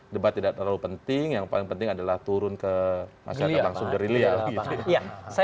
debat tidak terlalu penting yang paling penting adalah turun ke masyarakat langsung ke rilial